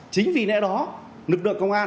chính vì nãy đó lực lượng công an